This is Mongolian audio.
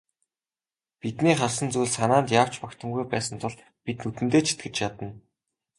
Бидний харсан зүйл санаанд яавч багтамгүй байсан тул бид нүдэндээ ч итгэж ядна.